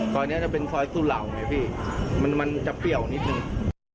ซอยนี้จะเป็นซอยสุเหล่าไงพี่มันจะเปรี้ยวนิดนึง